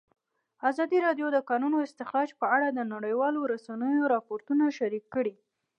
ازادي راډیو د د کانونو استخراج په اړه د نړیوالو رسنیو راپورونه شریک کړي.